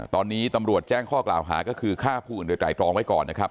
ตอนนี้ตำรวจแจ้งข้อกล่าวหาก็คือฆ่าผู้อื่นโดยไตรตรองไว้ก่อนนะครับ